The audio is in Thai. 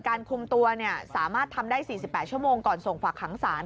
คุมตัวสามารถทำได้๔๘ชั่วโมงก่อนส่งฝากขังศาล